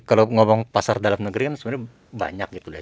kalau ngomong pasar dalam negeri kan sebenarnya banyak gitu ya